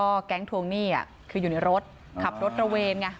ก็แก๊งทวงหนี้คืออยู่ในรถขับรถระเวนไง